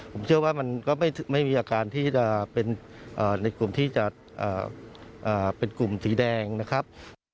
ผมเชื่อว่ามันก็ไม่มีอาการที่จะเป็นในกลุ่มที่จะเป็นกลุ่มสีแดงนะครับ